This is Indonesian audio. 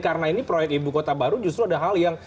karena ini proyek ibu kota baru justru ada hal yang